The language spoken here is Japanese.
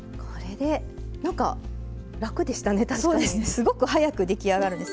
すごく早く出来上がるんです。